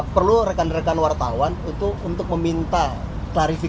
perlu rekan rekan wartawan untuk meminta klarifikasi kepada kejaksaan sepertinya seperti itu